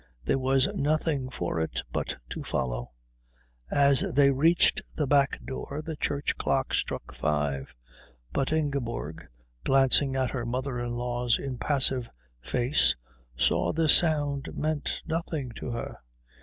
There was nothing for it but to follow. As they reached the back door the church clock struck five, but Ingeborg, glancing at her mother in law's impassive face, saw this sound meant nothing to her.